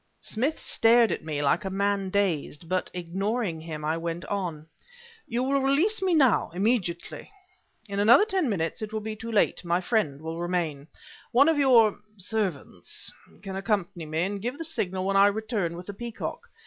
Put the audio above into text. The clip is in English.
Smith stared at me like a man dazed; but, ignoring him, I went on: "You will release me, now, immediately. In another ten minutes it will be too late; my friend will remain. One of your servants can accompany me, and give the signal when I return with the peacock.